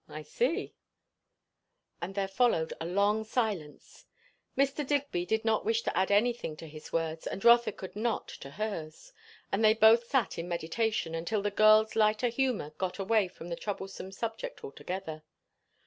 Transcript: "I see." And there followed a long silence. Mr. Digby did not wish to add anything to his words, and Rotha could not to hers; and they both sat in meditation, until the girl's lighter humour got away from the troublesome subject altogether.